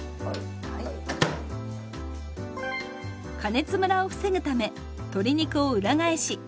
加熱ムラを防ぐため鶏肉を裏返し。